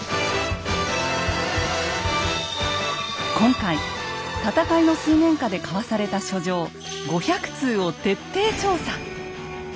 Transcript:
今回戦いの水面下で交わされた書状５００通を徹底調査。